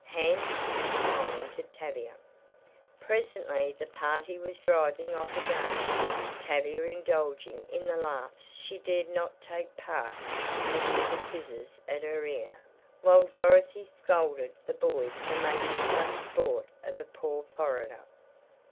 "Handy," commented Tavia. Presently the party was driving off again, Tavia indulging in the laughs she dared not take part in with the scissors at her ear, while Dorothy "scolded" the boys for making such sport of a poor foreigner.